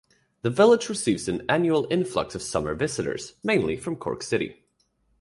The village receives an annual influx of summer visitors mainly from Cork City.